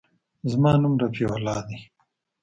زما نوم رفيع الله دى.